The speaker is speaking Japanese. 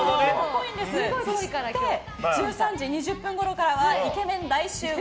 そして１３時２０分ごろからはイケメン大集合！